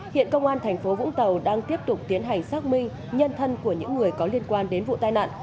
hiện công an thành phố vũng tàu đang tiếp tục tiến hành xác minh nhân thân của những người có liên quan đến vụ tai nạn